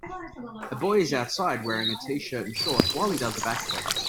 A boy is outside wearing a tshirt and shorts while he does a back flip.